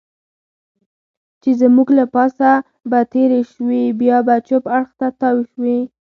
چې زموږ له پاسه به تېرې شوې، بیا به چپ اړخ ته تاو شوې.